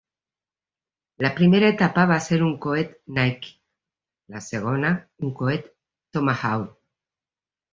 La primera etapa va ser un coet Nike, la segona un coet Tomahawk.